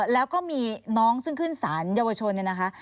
แล้วก็มีน้องซึ่งขึ้นสารเยาวชนเนี่ยนะคะ